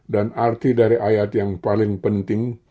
arti dari ayat yang paling penting